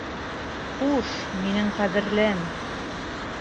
Хуш, минең ҡәҙерлем!